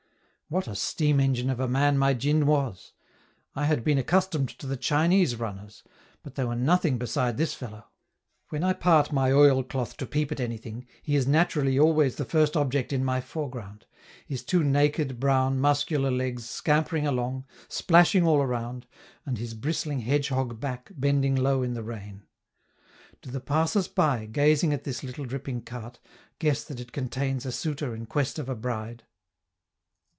What a steam engine of a man my djin was! I had been accustomed to the Chinese runners, but they were nothing beside this fellow. When I part my oilcloth to peep at anything, he is naturally always the first object in my foreground; his two naked, brown, muscular legs, scampering along, splashing all around, and his bristling hedgehog back bending low in the rain. Do the passers by, gazing at this little dripping cart, guess that it contains a suitor in quest of a bride?